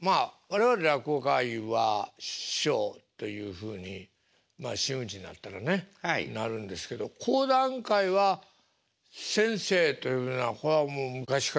まあ我々落語界は師匠というふうに真打ちになったらねなるんですけど講談界は先生と呼ぶのはこれはもう昔からそういうふうに決まって。